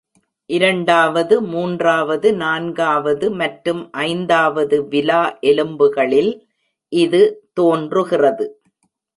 இரண்டாவது, மூன்றாவது, நான்காவது மற்றும் ஐந்தாவது விலா எலும்புகளில் இது தோன்றுகிறது.